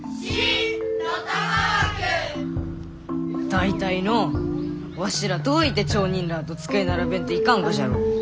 大体のうわしらどういて町人らあと机並べんといかんがじゃろう？